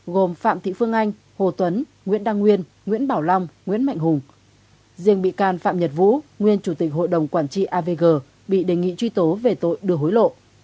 riêng bị can phạm nhật vũ nguyên chủ tịch hội đồng quản trị avg bị đề nghị truy tố về tội đưa hối lộ